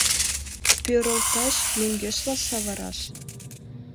Пӧрылташ — мӧҥгешла савыраш.